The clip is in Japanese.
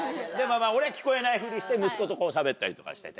俺は聞こえないフリして息子としゃべったりとかしてて。